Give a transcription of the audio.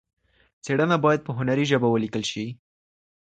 څېړنه باید په هنري ژبه ولیکل سي.